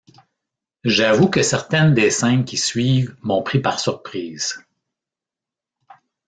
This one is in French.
J’avoue que certaines des scènes qui suivent m’ont pris par surprise.